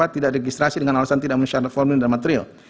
tidak registrasi dengan alasan tidak menyesal reforming dan material